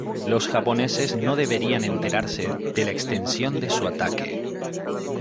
Los japoneses no deberían enterarse de la extensión de su ataque.